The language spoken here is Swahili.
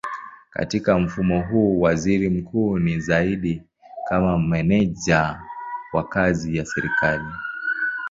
Katika mfumo huu waziri mkuu ni zaidi kama meneja wa kazi ya serikali.